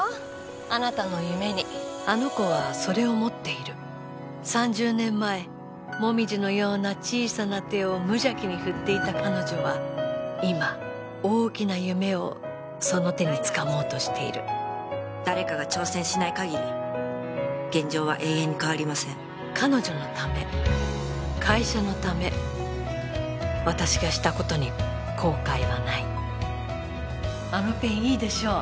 あなたの夢にあの子はそれを持っている３０年前もみじのような小さな手を無邪気に振っていた彼女は今大きな夢をその手につかもうとしている誰かが挑戦しないかぎり現状は永遠に変わりません彼女のため会社のため私がしたことに後悔はないあのペンいいでしょ？